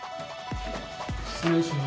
失礼します。